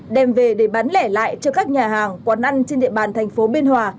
đem về để bán lẻ lại cho các nhà hàng quán ăn trên địa bàn tp biên hòa